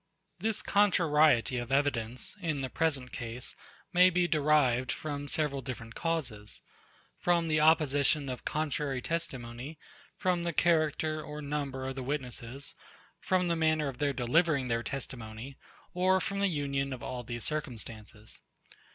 89. This contrariety of evidence, in the present case, may be derived from several different causes; from the opposition of contrary testimony; from the character or number of the witnesses; from the manner of their delivering their testimony; or from the union of all these circumstances.